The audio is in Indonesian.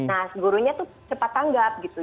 nah gurunya tuh cepat tanggap gitu